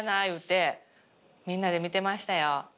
言うてみんなで見てましたよ。